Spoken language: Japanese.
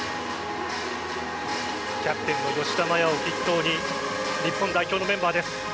キャプテンの吉田麻也を筆頭に日本代表のメンバーです。